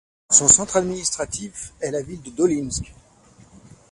Son centre administratif est la ville de Dolinsk.